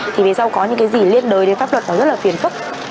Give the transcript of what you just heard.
thì vì sao có những cái gì liên đối đến pháp luật nó rất là phiền phức